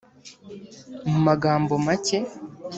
mu magambo macye,